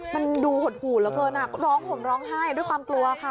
มันดูหดหู่เหลือเกินร้องห่มร้องไห้ด้วยความกลัวค่ะ